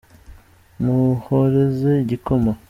muhoreze igikoma.